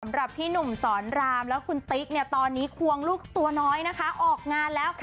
สำหรับพี่หนุ่มสอนรามแล้วคุณติ๊กเนี่ยตอนนี้ควงลูกตัวน้อยนะคะออกงานแล้ว